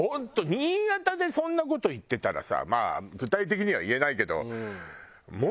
新潟でそんな事言ってたらさまあ具体的には言えないけど。